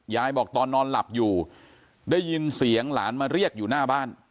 ยายบอกตอนนอนหลับอยู่ได้ยินเสียงหลานมาเรียกอยู่หน้าบ้าน